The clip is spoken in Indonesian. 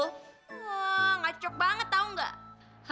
wah ngacok banget tau nggak